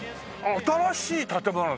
新しい建物だね。